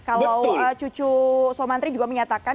kalau cucu soe mantri juga menyatakan